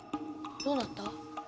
どうなった？